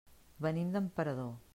Venim d'Emperador.